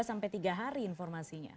itu sampai bergulir dua tiga hari informasinya